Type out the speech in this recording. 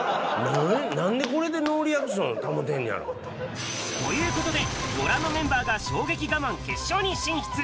なんでこれでノーリアクション保てんのやろ。ということで、ご覧のメンバーが衝撃ガマン決勝に進出。